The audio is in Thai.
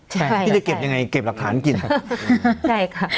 ใช่พี่จะเก็บยังไงเก็บหลักฐานกินครับใช่ค่ะ